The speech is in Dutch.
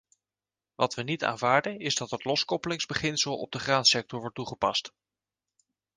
Wat we niet aanvaarden is dat het loskoppelingsbeginsel op de graansector wordt toegepast.